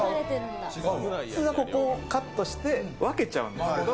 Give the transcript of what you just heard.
普通はここをカットして分けちゃうんですけど。